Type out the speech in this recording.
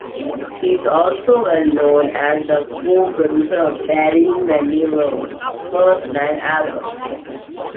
He is also well known as the co-producer of Barry Manilow's first nine albums.